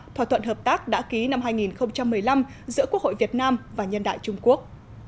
thỏa thuận hợp tác đã ký năm hai nghìn một mươi năm giữa quốc hội việt nam và nhân đại trung quốc